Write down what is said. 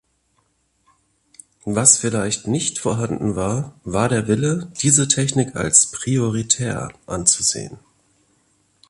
Was vielleicht nicht vorhanden war, war der Wille, diese Technik als prioritär anzusehen.